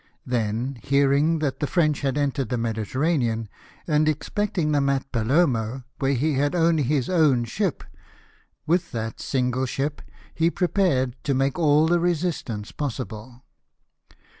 Then hearing that the French had entered the Mediterranean, and expecting them at Palermo, where he had only his own ship, with that single ship he prepared to make all the 182 LIFE OF NELSON. resistance possible.